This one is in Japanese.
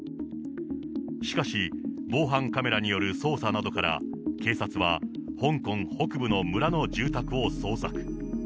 しかし、防犯カメラによる捜査などから、警察は香港北部の村の住宅を捜索。